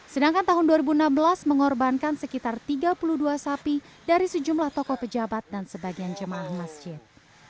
sedangkan tahun dua ribu enam belas mengorbankan sekitar tiga puluh dua sapi dari sejumlah tokoh pejabat dan sebagian jemaah masjid